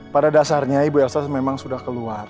pada dasarnya ibu elsa memang sudah keluar